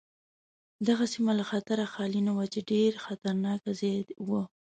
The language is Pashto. دغه سیمه له خطره خالي نه وه چې ډېر خطرناک ځای و.